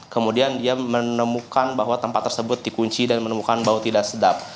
kemudian dia menemukan bahwa tempat tersebut dikunci dan menemukan bau tidak sedap